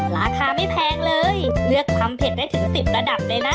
ราคาไม่แพงเลยเลือกทำเผ็ดได้ถึง๑๐ระดับเลยนะ